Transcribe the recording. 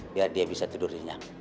biar dia bisa tidur ringan